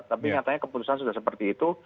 tapi nyatanya keputusan sudah seperti itu